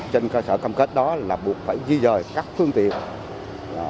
trên cơ sở cam kết đó là buộc phải di dời các phương tiện